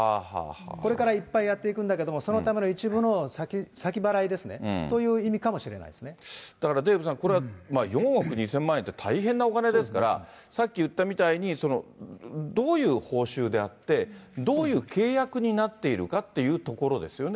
これからいっぱいやっていくんだけれども、そのための一部の先払いですね、という意味かもしれなだからデーブさん、これは４億２０００万円って大変なお金ですから、さっき言ったみたいに、どういう報酬であって、どういう契約になっているかっていうところですよね。